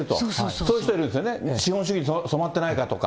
そういう人いるんですよね、資本主義に染まってないかとか。